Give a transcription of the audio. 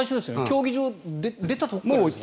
競技場出たところから。